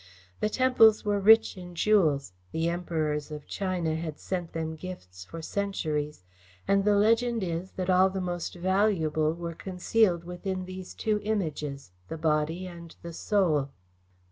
The temples were rich in jewels the emperors of China had sent them gifts for centuries and the legend is that all the most valuable were concealed within these two Images the Body and the Soul."